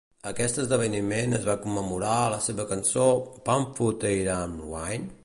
Aquest esdeveniment es va commemorar a la seva cançó Pam fod eira"n wyn?